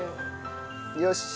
よし！